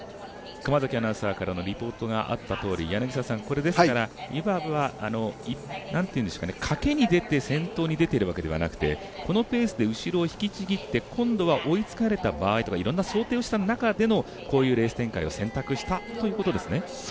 熊崎アナウンサーからのリポートがあったとおりこれですから賭けに出て先頭に出ているわけではなくてこのペースで後ろを引きちぎって今度は追いつかれた場合とかのいろんな想定をした中でのこういうレース展開を選択したということですね。